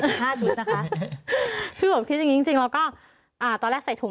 ห้าชุดนะคะคือผมคิดอย่างงี้จริงจริงแล้วก็อ่าตอนแรกใส่ถุง